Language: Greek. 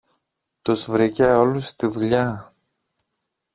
Τους βρήκε όλους στη δουλειά.